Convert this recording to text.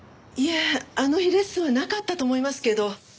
いえあの日レッスンはなかったと思いますけど。